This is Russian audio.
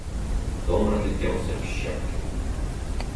Дом разлетелся в щепки.